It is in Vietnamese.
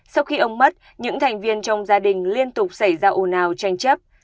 sau khi ông mất những thành viên trong gia đình liên tục xảy ra ồn ào tranh chấp